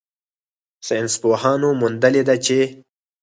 ساینسپوهانو موندلې ده چې